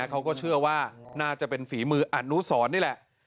เขาก็เชื่อว่าน่าจะเป็นฝีมืออนุสรนี่แหละ